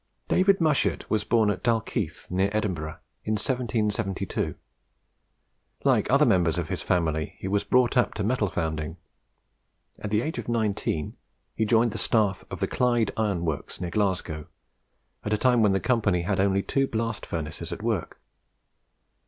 David Mushet was born at Dalkeith, near Edinburgh, in 1772. Like other members of his family he was brought up to metal founding. At the age of nineteen he joined the staff of the Clyde Iron Works, near Glasgow, at a time when the Company had only two blast furnaces at work.